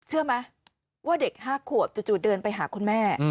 เชื่อไหมว่าเด็ก๕ขวบจู่เดินไปหาคุณแม่